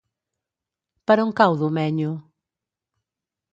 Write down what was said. Per on cau Domenyo?